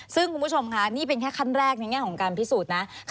ซึ่งคุณผู้ชมค่ะนี่เป็นแค่ขั้นแรกในแง่ของการพิสูจน์นะ